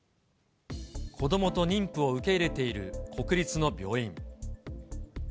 子どもと妊婦を受け入れている国立の病院。